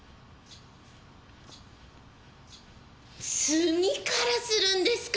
墨からするんですか？